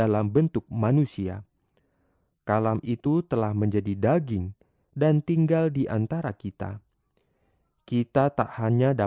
sampai jumpa di video selanjutnya